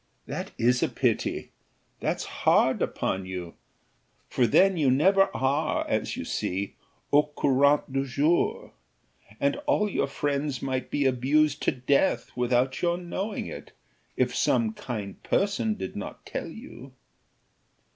"That is a pity that's hard upon you, for then you never are, as you see, au courant du jour, and all your friends might be abused to death without your knowing it, if some kind person did not tell you."